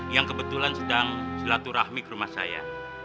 yang kebetulan sedang silaturahmi ke rumah saya